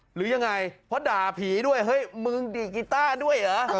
หรือยังไงเพราะด่าผีด้วยเฮ้ยมึงดีดกีต้าด้วยเหรอ